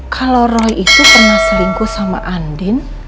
kalau roy itu pernah selingkuh sama andin